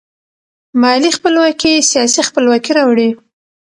مالي خپلواکي سیاسي خپلواکي راوړي.